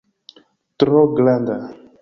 Tro granda